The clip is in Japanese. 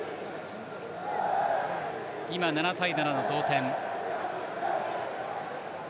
今、７対７の同点。